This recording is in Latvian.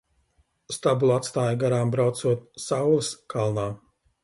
Stabuli atstāju garām braucot saules kalnā.